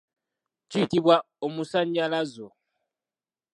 Kiyitibwa omusannyalazo.